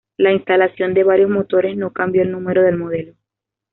La instalación de varios motores no cambió el número del modelo.